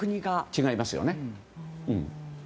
違いますよね。